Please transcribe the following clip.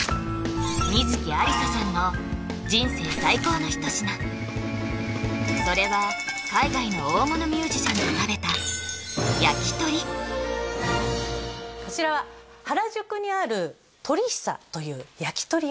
観月ありささんの人生最高の一品それは海外の大物ミュージシャンと食べたこちらは原宿にある鳥久という焼き鳥屋さん